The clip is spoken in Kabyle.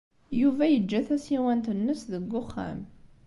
Yuba yeǧǧa tasiwant-nnes deg uxxam.